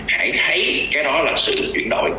hãy thấy cái đó là sự chuyển đổi